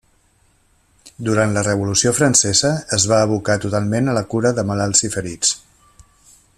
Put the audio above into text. Durant la Revolució Francesa, es va abocar totalment a la cura de malalts i ferits.